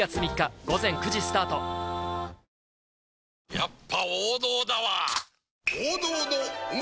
やっぱ王道だわプシュ！